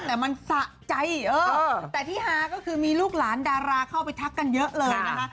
แต่มันสะใจแต่ที่ฮาก็คือมีลูกหลานดาราเข้าไปทักกันเยอะเลยนะคะ